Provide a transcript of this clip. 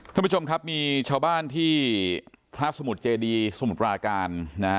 ท่านผู้ชมครับมีชาวบ้านที่พระสมุทรเจดีสมุทรปราการนะฮะ